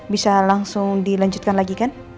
bisa langsung dilanjutkan lagi kan